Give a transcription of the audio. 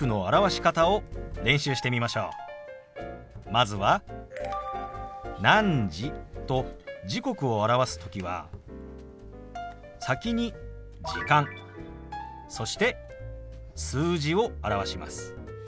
まずは「何時」と時刻を表す時は先に「時間」そして数字を表します。